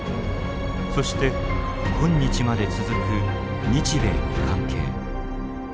そして今日まで続く日米の関係。